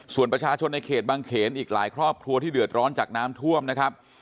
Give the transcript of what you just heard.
ส่วนประชาชนในเขตบางเขนอีกหลายครอบครัวที่เดือดร้อนจากน้ำท่วมนะครับ